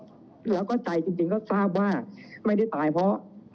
เราก็ไม่รู้เพราะตอนนั้นก็ตกใจทำอะไรไม่ถูกเพราะเราไม่เคยเจออันอาการนี้